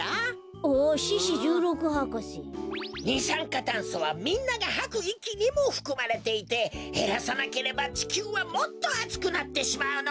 あっ獅子じゅうろく博士。にさんかたんそはみんながはくいきにもふくまれていてへらさなければちきゅうはもっとあつくなってしまうのだ。